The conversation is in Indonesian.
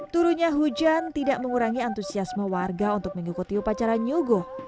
turunnya hujan tidak mengurangi antusiasme warga untuk mengikuti upacara nyogo